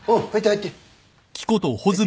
入って。